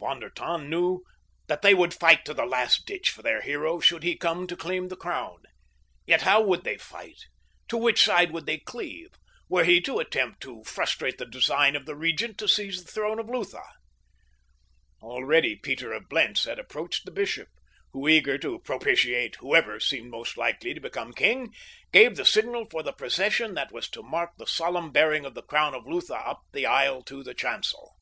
Von der Tann knew that they would fight to the last ditch for their hero should he come to claim the crown. Yet how would they fight—to which side would they cleave, were he to attempt to frustrate the design of the Regent to seize the throne of Lutha? Already Peter of Blentz had approached the bishop, who, eager to propitiate whoever seemed most likely to become king, gave the signal for the procession that was to mark the solemn bearing of the crown of Lutha up the aisle to the chancel.